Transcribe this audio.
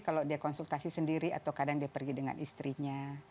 kalau dia konsultasi sendiri atau kadang dia pergi dengan istrinya